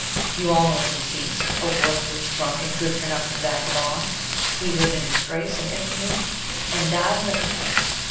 You all know the deceased a worthless, drunken, good for nothing vagabond. He lived in disgrace and infamy, and died in wretchedness.